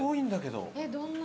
どんな？